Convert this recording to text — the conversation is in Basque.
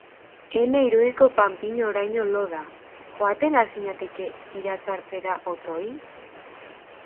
Ene irudiko Panpi oraino lo da. Joaten ahal zinateke iratzartzera, otoi?